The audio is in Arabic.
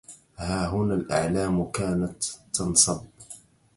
ها هنا الأعلام كانت تنصب